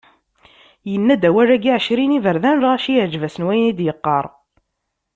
Yenna-d awal-agi ɛecrin n yiberdan, lɣaci yeɛǧeb-asen wayen i d-yeqqar.